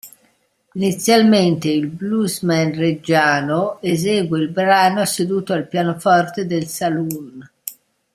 Inizialmente il bluesman reggiano esegue il brano seduto al pianoforte del saloon.